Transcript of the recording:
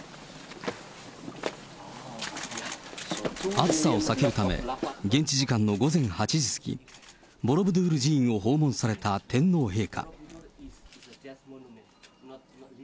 暑さを避けるため、現地時間の午前８時過ぎ、ボロブドゥール寺院を訪問された天皇陛下。